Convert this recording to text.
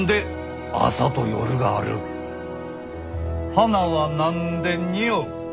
花は何でにおう？